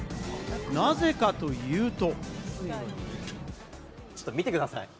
なぜかというと。